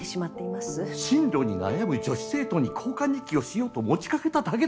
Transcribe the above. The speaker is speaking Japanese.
進路に悩む女子生徒に交換日記をしようと持ちかけただけだ。